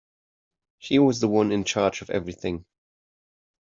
She was the one in charge of everything.